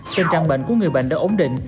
trên trang bệnh của người bệnh đã ổn định